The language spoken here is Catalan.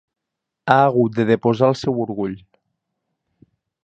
Ha hagut de deposar el seu orgull.